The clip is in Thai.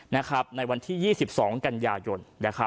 ในวันที่๒๒กันยายน